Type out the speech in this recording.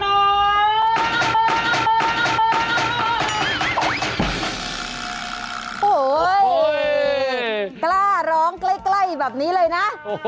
โอ้โหกล้าร้องใกล้แบบนี้เลยนะ